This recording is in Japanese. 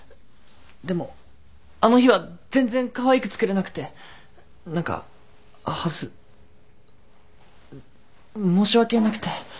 でもあの日は全然かわいく作れなくて何か恥ず申し訳なくて。